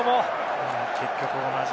結局同じ。